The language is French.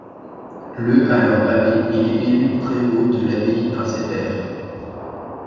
Le alors abbé il est élu prévôt de l'abbaye par ses pairs.